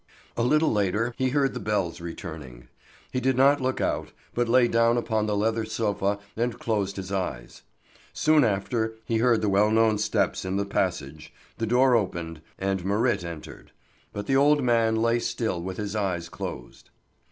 A little later he heard the bells returning. He did not look out, but lay down upon the leather sofa and closed his eyes. Soon after he heard the well known steps in the passage, the door opened, and Marit entered; but the old man lay still with his eyes closed.